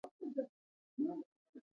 ځنګلونه د افغانانو د ژوند طرز اغېزمنوي.